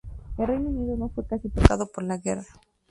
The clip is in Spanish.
El Reino Unido no fue casi tocado por la guerra.